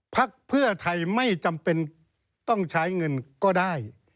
พักเพื่อไทยไม่จำเป็นต้องใช้เงินก็ได้